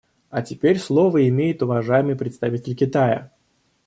А теперь слово имеет уважаемый представитель Китая.